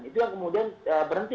itu yang kemudian berhenti